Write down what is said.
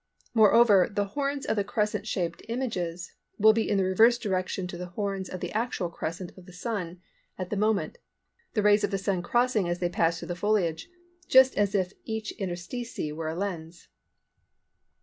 Moreover, the horns of the crescent shaped images will be in the reverse direction to the horns of the actual crescent of the Sun at the moment, the rays of the Sun crossing as they pass through the foliage, just as if each interstice were a lens.